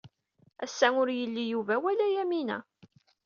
Ass-a ur yelli Yuba wala Yamina.